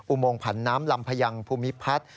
อุโมงผันน้ำลำพยังภูมิพัฒน์